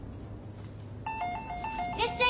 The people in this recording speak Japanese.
いらっしゃい！